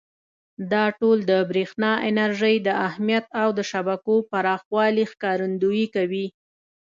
دا ټول د برېښنا انرژۍ د اهمیت او د شبکو پراخوالي ښکارندویي کوي.